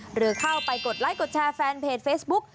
หรือเข้าไปกดไลค์กดแชร์แฟนเพจเฟซบุ๊ก